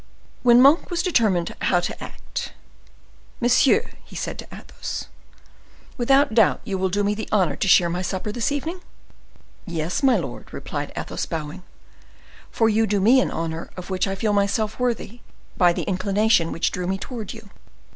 When Monk was determined how to act,— "Monsieur," said he to Athos, "without doubt you will do me the honor to share my supper this evening?" "Yes, my lord," replied Athos, bowing; "for you do me an honor of which I feel myself worthy, by the inclination which drew me towards you."